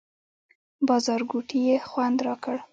بازارګوټي یې خوند راکړ.